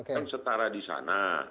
yang setara di sana